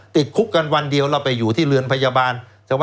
ติดคุกกันวันเดียวเราไปอยู่ที่เรือนพยาบาลใช่ไหม